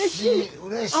うれしい？